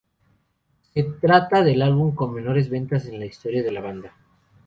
Se trata del álbum con menores ventas en la historia de la banda.